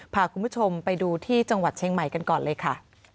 พาคุณผู้ชมไปดูที่จังหวัดเชียงใหม่กันก่อนเลยค่ะ